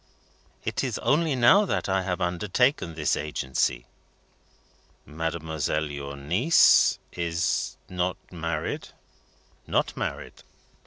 "It is only now that I have undertaken this agency." "Mademoiselle your niece is not married?" "Not married."